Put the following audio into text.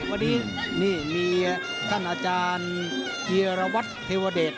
วันนี้มีท่านอาจารย์เจียรวรรดิเทวดเดชน์